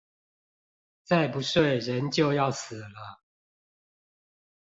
再不睡人就要死了